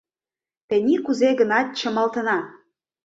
Тений кузе-гынат чымалтына!